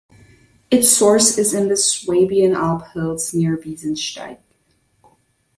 Its source is in the Swabian Alb hills near Wiesensteig.